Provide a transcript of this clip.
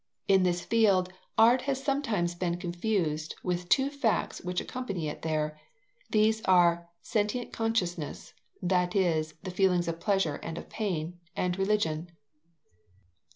In this field, art has sometimes been confused with two facts which accompany it there: these are sentient consciousness (that is, the feelings of pleasure and of pain) and religion.